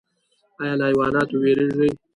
ایا له حیواناتو ویریږئ؟